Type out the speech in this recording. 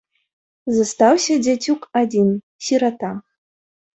Застаўся дзяцюк адзін, сірата.